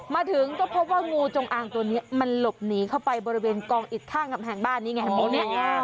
มาถึงก็พบว่างูจงอางตัวนี้มันหลบหนีเข้าไปบริเวณกองอิดข้างกำแพงบ้านนี้ไงมุมนี้